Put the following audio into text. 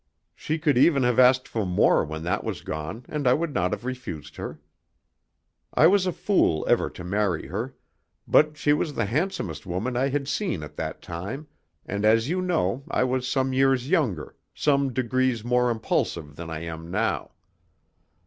She could even have asked for more when that was gone, and I would not have refused her. I was a fool ever to marry her, but she was the handsomest woman I had seen at that time, and as you know I was some years younger, some degrees more impulsive than I am now.